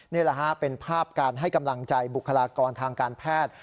นี่แหละฮะเป็นภาพการให้กำลังใจบุคลากรทางการแพทย์